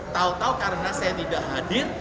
tau tau karena saya tidak hadir